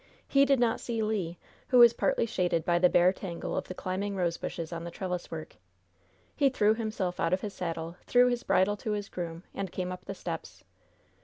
He did not see Le, who was partly shaded by the bare tangle of the climbing rose vines on the trelliswork. He threw himself out of his saddle, threw his bridle to his groom, and came up the steps.